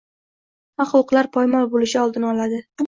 haq-huquqlar poymol bo‘lishi oldini oladi.